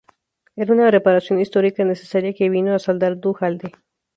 Era una reparación histórica necesaria que vino a saldar Duhalde.